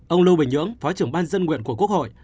ông lưu bình nhưỡng phó trưởng ban dân nguyện của quốc hội